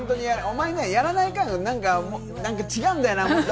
お前、やらない感、なんか違うんだよな。